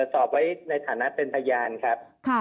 สอบไว้ในฐานะเป็นพยานครับ